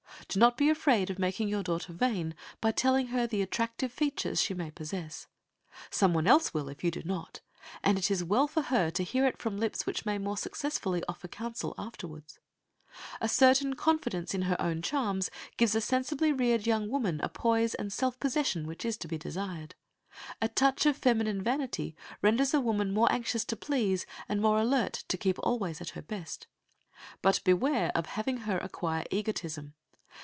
Do not be afraid of making your daughter vain by telling her the attractive features she may possess. Some one else will if you do not, and it is well for her to hear it from lips which may more successfully offer counsel afterward. A certain confidence in her own charms gives a sensibly reared young woman a poise and self possession which is to be desired. A touch of feminine vanity renders a woman more anxious to please, and more alert to keep always at her best. But beware of having her acquire egotism.